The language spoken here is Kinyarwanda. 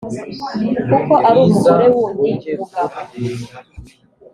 kuko ari umugore w’undi mugabo